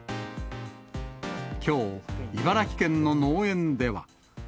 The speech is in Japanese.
きょう、茨城県の農園では。